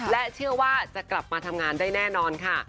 และเชื่อว่าจะกลับมาทำงานได้แน่นอนค่ะ